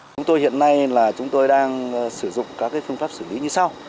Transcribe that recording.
chúng tôi hiện nay đang sử dụng các phương pháp xử lý như sau